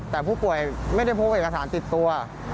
แต่ผู้ป่วยไม่ได้พบเอกสารติดตัว